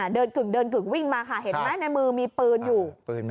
กึ่งเดินกึ่งวิ่งมาค่ะเห็นไหมในมือมีปืนอยู่